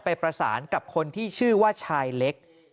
ประสานกับคนที่ชื่อว่าชายเล็ก